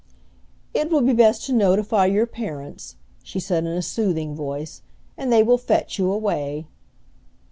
"It will be best to notify your parents," she said in a soothing voice, "and they will fetch you away."